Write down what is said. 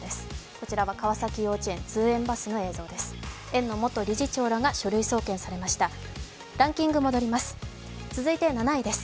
こちらは川崎幼稚園の通園バスの様子です。